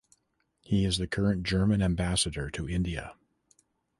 He is the current German Ambassador to India.